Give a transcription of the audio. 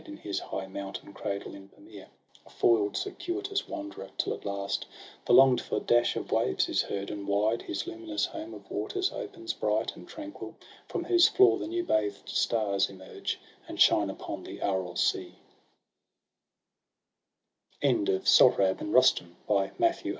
In his high mountain cradle in Pamere, A foil'd circuitous wanderer — till at last The long'd for dash of waves is heard, and wide His luminous home of waters opens, bright And tranquil, from whose floor the new bathed stars Emerge, and shine upon the Aral Sea.